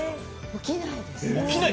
起きないです。